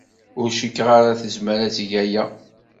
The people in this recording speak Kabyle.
Ur cikkeɣ ara tezmer ad teg aya.